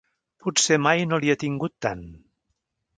Potser mai no li ha tingut tant.